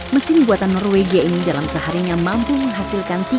mesin buatan norwegia ini dalam seharinya mampu menghasilkan